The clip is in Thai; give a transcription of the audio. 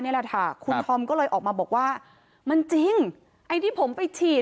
นี่แหละค่ะคุณธอมก็เลยออกมาบอกว่ามันจริงไอ้ที่ผมไปฉีด